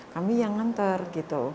kami yang nganter gitu